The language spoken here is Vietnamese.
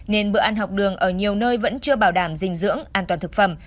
nên bữa ăn học đường ở nhiều nơi vẫn chưa bảo đảm dinh dưỡng an toàn thực phẩm